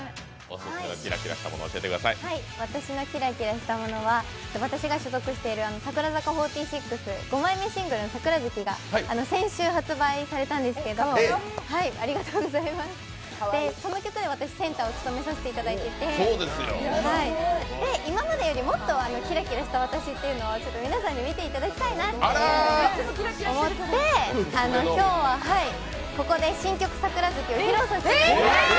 私のキラキラしたものは、私の所属している櫻坂４６の５枚目シングルの「桜月」が先週発売されたんですけどその曲で私、センターを務めさせていただいていて今までよりもっとキラキラした私っていうのを皆さんに見ていただきたいと思って今日はここで新曲「桜月」を披露させていただきます。